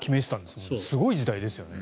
すごい時代ですよね。